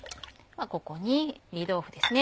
ここに炒り豆腐ですね。